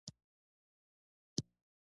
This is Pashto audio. دا پېښې څلوېښت کاله مخکې چا تصور نه شو کولای.